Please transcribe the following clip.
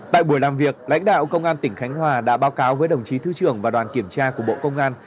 tại buổi làm việc lãnh đạo công an tỉnh khánh hòa đã báo cáo với đồng chí thứ trưởng và đoàn kiểm tra của bộ công an